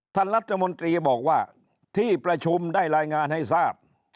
ท่านรัฐมนตรีบอกว่าที่ประชุมได้รายงานให้ทราบ